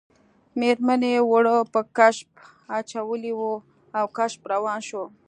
میرمنې اوړه په کشپ اچولي وو او کشپ روان شو